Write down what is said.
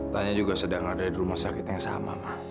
tanya juga sedang ada di rumah sakit yang sama